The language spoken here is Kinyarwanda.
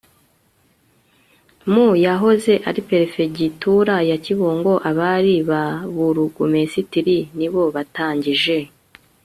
Mu yahoze ari Perefegitura ya Kibungo abari ba Burugumesitiri nibo batangije